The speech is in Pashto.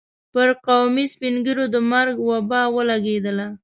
پر قومي سپين ږيرو د مرګ وبا ولګېدله.